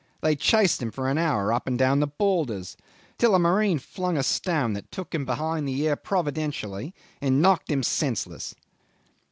They chased him for an hour up and down the boulders, till a marihe flung a stone that took him behind the ear providentially and knocked him senseless.